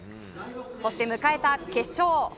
そして迎えた決勝。